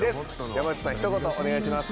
山内さんひと言お願いします。